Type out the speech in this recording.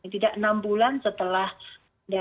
tidak enam bulan setelah